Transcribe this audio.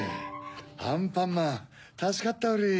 アンパンマンたすかったウリ。